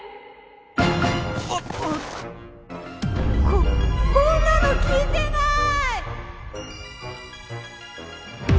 ここんなの聞いてない！